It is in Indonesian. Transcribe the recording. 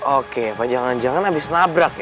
oke apa jangan jangan habis nabrak ya